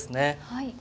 はい。